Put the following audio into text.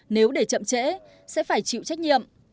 nếu để chậm trễ sẽ phải chịu trách nhiệm